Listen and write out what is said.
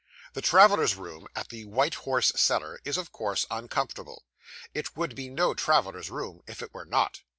The travellers' room at the White Horse Cellar is of course uncomfortable; it would be no travellers' room if it were not.